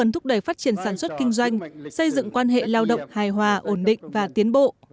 thúc đẩy phát triển sản xuất kinh doanh xây dựng quan hệ lao động hài hòa ổn định và tiến bộ